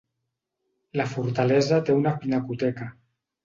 La fortalesa té una pinacoteca.